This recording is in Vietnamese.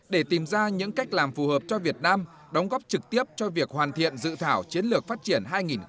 để tìm ra những cách làm phù hợp cho việt nam đóng góp trực tiếp cho việc hoàn thiện dự thảo chiến lược phát triển